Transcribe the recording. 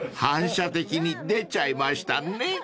［反射的に出ちゃいましたね］